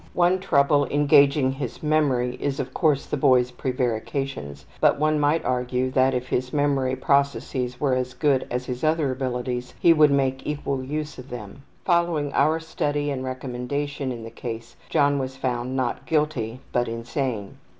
One trouble in gauging his memory is, of course, the boy's prevarications, but one might argue that if his memory processes were as good as his other abilities he would make equal use of them. Following our study and recommendation in the case John was found not guilty, but insane.